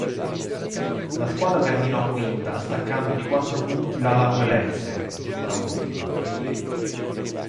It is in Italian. La squadra terminò quinta staccando di quattro punti l'Alajuelense, giunta ultima.